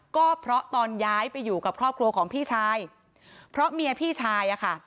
ก็เพราะตอนย้ายไปอยู่กับครอบครัวของพี่ชายเพราะเมียพี่ชายอะค่ะ